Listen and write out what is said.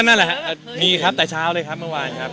นั่นแหละครับมีครับแต่เช้าเลยครับเมื่อวานครับ